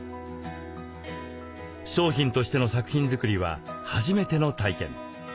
商品としての作品づくりは初めての体験。